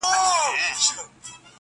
بېگانه مو په مابین کي عدالت دئ-